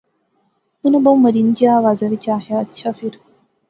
انیں بہوں مری نیاں جیا آواز وچ آخیا۔۔۔ اچھا فیر